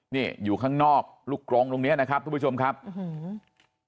นี่อยู่ข้างนอกลูกกรงตรงเนี้ยนะครับทุกผู้ชมครับอื้อหือ